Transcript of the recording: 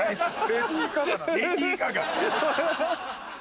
レディー・ガガ。